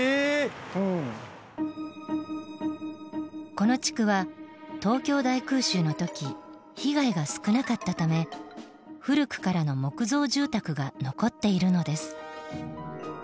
この地区は東京大空襲の時被害が少なかったため古くからの木造住宅が残っているのです。